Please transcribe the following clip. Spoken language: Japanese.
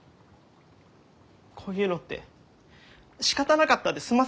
こういうのって「しかたなかった」で済ませるんですか？